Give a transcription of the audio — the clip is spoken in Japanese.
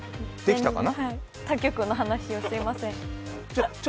他局の話をすいません。